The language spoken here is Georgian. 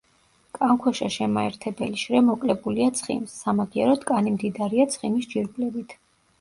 კანქვეშა შემაერთებელი შრე მოკლებულია ცხიმს, სამაგიეროდ კანი მდიდარია ცხიმის ჯირკვლებით.